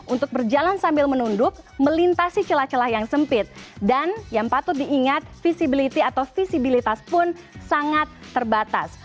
untuk berjalan sambil menunduk melintasi celah celah yang sempit dan yang patut diingat visibility atau visibilitas pun sangat terbatas